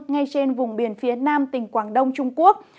ngay trên vùng biển phía nam tỉnh quảng đông trung quốc